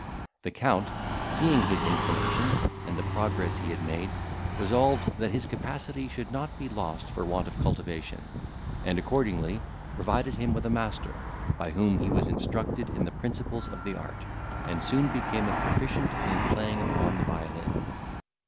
The Count, seeing his inclination, and the progress he had made, resolved that his capacity should not be lost for want of cultivation; and accordingly provided him with a master, by whom he was instructed in the principles of the art, and soon became a proficient in playing upon the violin.